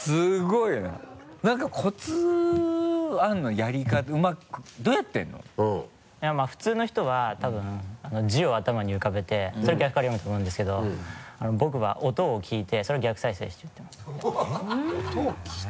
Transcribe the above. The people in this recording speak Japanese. いやまぁ普通の人は多分字を頭に浮かべてそれ逆から読むと思うんですけど僕は音を聞いてそれを逆再生して言ってます。